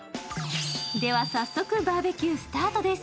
では早速、バーベキュースタートです。